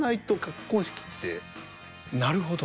なるほど。